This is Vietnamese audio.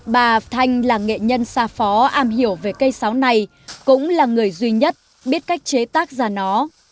bà thanh là nghệ nhân xa phó am hiểu về cây sáo này cũng là người duy nhất biết cách chế tác ra nó